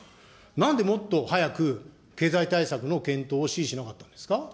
なんでもっと早く、経済対策の検討を指示しなかったんですか。